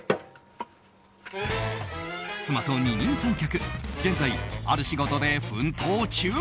妻と二人三脚現在、ある仕事で奮闘中。